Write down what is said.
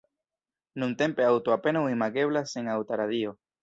Nuntempe aŭto apenaŭ imageblas sen aŭta radio.